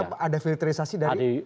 jadi tetap ada filterisasi dari